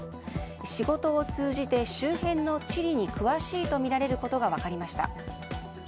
仕事を通じて周辺の地理に詳しいとみられることが分かりました。